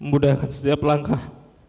memudahkan setiap langkah